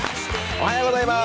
おはようございます！